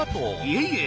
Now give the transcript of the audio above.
いえいえ